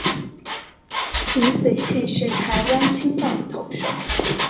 林子崴是台湾青棒投手。